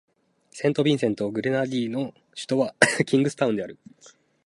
セントビンセント・グレナディーンの首都はキングスタウンである